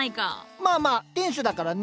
まあまあ店主だからね。